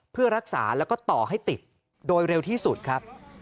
เพื่อรักษาแล้วก็ต่อให้ติดโดยเร็วที่สุดครับ